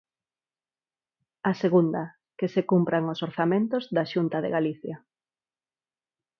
A segunda, que se cumpran os orzamentos da Xunta de Galicia.